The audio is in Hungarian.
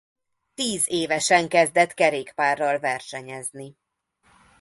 Tiz évesen kezdett kerékpárral versenyezni.